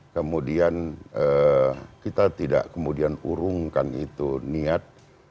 kemudian kita tidak kemudian urungkan itu niat